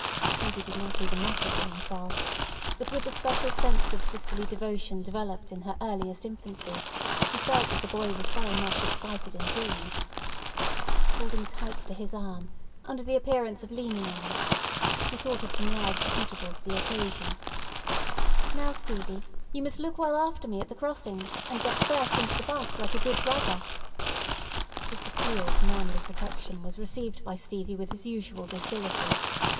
Stevie did not even mutter to himself, but with the special sense of sisterly devotion developed in her earliest infancy, she felt that the boy was very much excited indeed. Holding tight to his arm, under the appearance of leaning on it, she thought of some words suitable to the occasion. "Now, Stevie, you must look well after me at the crossings, and get first into the 'bus, like a good brother." This appeal to manly protection was received by Stevie with his usual docility.